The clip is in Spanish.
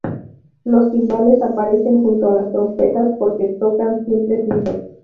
Los timbales aparecen junto a las trompetas porque tocan siempre juntos.